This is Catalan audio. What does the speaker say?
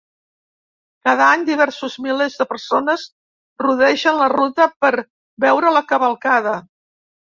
Cada any, diversos milers de persones rodegen la ruta per veure la cavalcada.